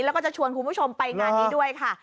แล้วก็จะชวนคุณผู้ชมไปงานนี้ด้วยค่ะ